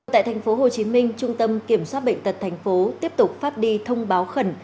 tại tp hcm trung tâm kiểm soát bệnh tật tp tiếp tục phát đi thông báo khẩn